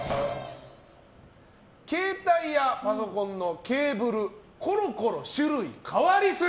携帯やパソコンのケーブルコロコロ種類変わりすぎ！